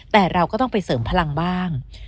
แต่เราก็ต้องไปเสริมพลังบ้าง